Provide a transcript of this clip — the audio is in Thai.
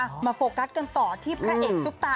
มาโฟกัสกันต่อที่พระเอกซุปตา